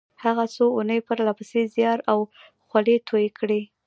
هغه څو اونۍ پرله پسې زيار او خولې تويې کړې.